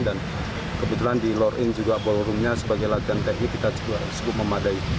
dan kebetulan di lorin juga ballroomnya sebagai latihan teknik kita cukup memadai